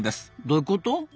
どういうこと？